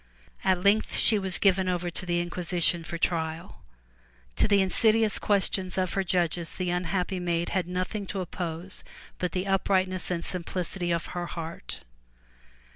At length she was given over to the inquisition for trial. To the insidious questions of her judges the unhappy maiden had nothing to oppose but the uprightness and simplicity of her heart.